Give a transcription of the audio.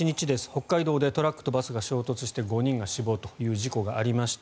北海道でトラックとバスが衝突して５人が死亡という事故がありました。